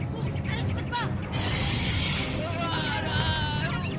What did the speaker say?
jangan jangan jangan